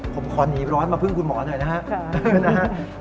ผมขอหนีร้อนมาพึ่งคุณหมอหน่อยนะฮะ